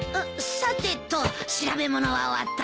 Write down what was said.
さてと調べものは終わったぞ。